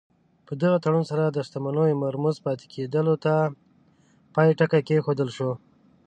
په دغه تړون سره د شتمنیو مرموز پاتې کېدلو ته پای ټکی کېښودل شو.